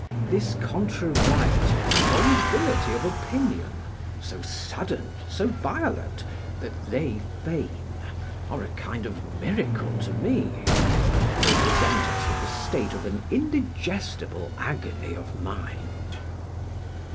This contrariety and volubility of opinion so sudden, so violent, that they feign, are a kind of miracle to me: they present us with the state of an indigestible agony of mind.